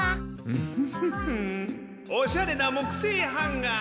フフフフおしゃれなもくせいハンガー